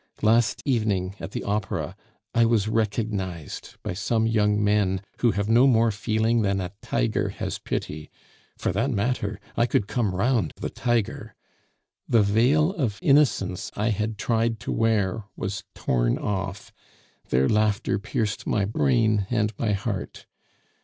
Last evening, at the opera, I was recognized by some young men who have no more feeling than a tiger has pity for that matter, I could come round the tiger! The veil of innocence I had tried to wear was worn off; their laughter pierced my brain and my heart.